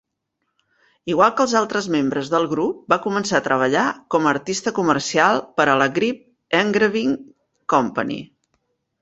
Igual que altres membres del Grup, va començar a treballar com a artista comercial per a la Grip Engraving Company.